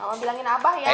mama bilangin abah ya